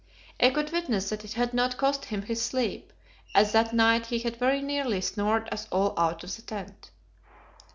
I could witness that it had not cost him his sleep, as that night he had very nearly snored us all out of the tent.